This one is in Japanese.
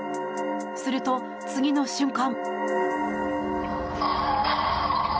すると、次の瞬間。